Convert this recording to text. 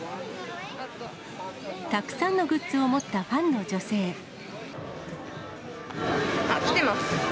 たくさんのグッズを持ったフあっ、来てます。